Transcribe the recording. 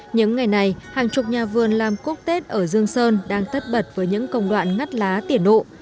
những ngày này hàng chục nhà vườn làm cúc tết ở dương sơn đang tất bật với những công đoạn ngắt lá tiển nộ